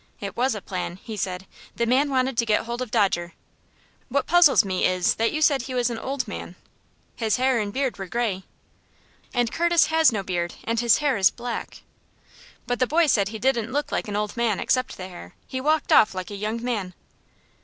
"It was a plan," he said. "The man wanted to get hold of Dodger. What puzzles me is, that you said he was an old man." "His hair and beard were gray." "And Curtis has no beard, and his hair is black." "But the boy said he didn't look like an old man, except the hair. He walked off like a young man."